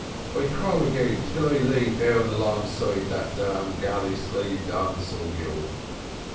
I crawl 'gain till I lay down 'longside that damn galley slave Don Silvio.